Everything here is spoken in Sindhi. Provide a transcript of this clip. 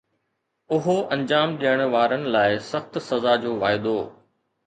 اهو انجام ڏيڻ وارن لاءِ سخت سزا جو واعدو